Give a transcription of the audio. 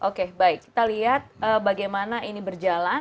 oke baik kita lihat bagaimana ini berjalan